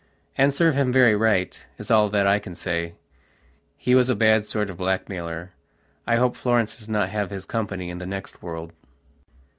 And serve him very right, is all that I can say. He was a bad sort of blackmailer; I hope Florence does not have his company in the next world.